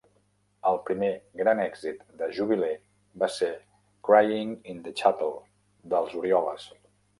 El primer gran èxit de Jubilee va ser "Crying in the Chapel" dels Orioles.